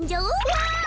わあ！